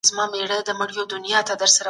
د سرچینو ښه کارونه د پرمختګ لاره هواروي.